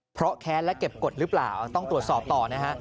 เพราะแค้นและเก็บกฎหรือเปล่าต้องตรวจสอบต่อนะฮะ